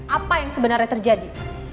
apa yang sebenarnya terjadi